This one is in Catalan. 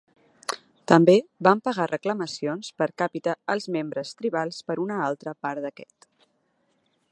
També van pagar reclamacions per capita als membres tribals per una altra part d'aquest